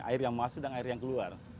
air yang masuk dan air yang keluar